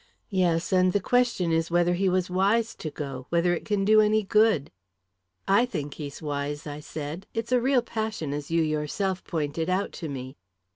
"Yes and the question is whether he was wise to go whether it can do any good." "I think he's wise," I said. "It's a real passion as you yourself pointed out to me."